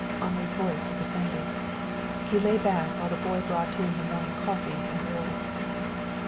Henri's voice was offended. He lay back while the boy brought in the morning coffee and rolls.